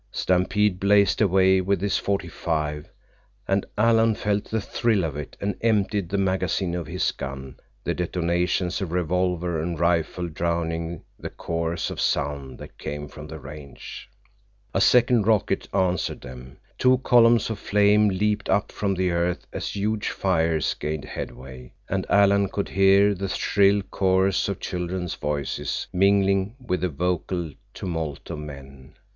Stampede blazed away with his forty five, and Alan felt the thrill of it and emptied the magazine of his gun, the detonations of revolver and rifle drowning the chorus of sound that came from the range. A second rocket answered them. Two columns of flame leaped up from the earth as huge fires gained headway, and Alan could hear the shrill chorus of children's voices mingling with the vocal tumult of men.